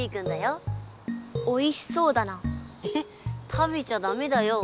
食べちゃダメだよ。